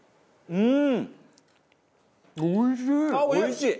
うん！